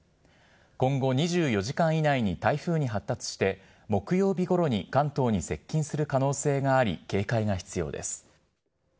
今後、２４時間以内に台風に発達して木曜日ごろに関東に接近する可能性があり、警戒が必要です。